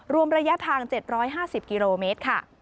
รวมระยะทาง๗๕๐กิโลเมตรค่ะ